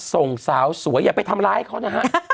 ส่งสาวสวยอย่าไปทำร้ายเขานะฮะ